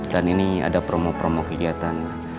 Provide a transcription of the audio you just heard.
dan ini ada promo promo kegiatan